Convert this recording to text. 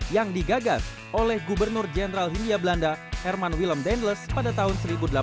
yang digagas oleh gubernur jenderal hindia belanda herman willem denles pada tahun seribu delapan ratus delapan puluh